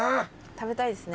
食べたいですね。